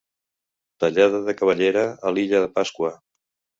Tallada de cabellera a l'illa de Pasqua.